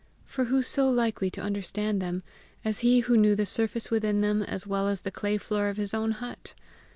For who so likely to understand them as he who knew the surface within them as well as the clay floor of his own hut?